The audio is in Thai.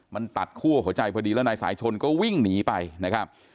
มันตัดคั่วหัวใจพอดีแล้วนายสายชนก็วิ่งหนีไปนะครับ